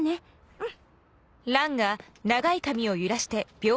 うん。